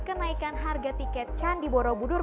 kenaikan harga tiket candi borobudur